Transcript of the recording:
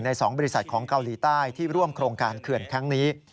๒บริษัทของเกาหลีใต้ที่ร่วมโครงการเขื่อนครั้งนี้